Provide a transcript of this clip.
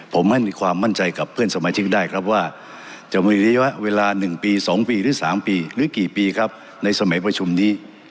ผมให้มีความมั่นใจกับเพื่อนสมาชิกได้ครับว่าจะมีระยะเวลา๑ปี๒ปีหรือ๓ปีหรือกี่ปีครับในสมัยประชุมนี้